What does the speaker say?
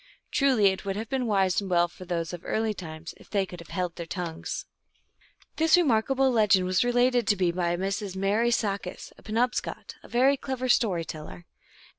Truly it would have been wise and well for those of early times if they could have held their tongues. This remarkable legend was related to me by Mrs. Marie Sakis, a Penobscot, a very clever story teller.